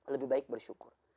lebih baik bersyukur